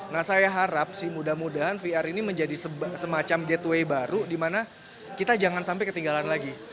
nah saya harap sih mudah mudahan vr ini menjadi semacam gateway baru di mana kita jangan sampai ketinggalan lagi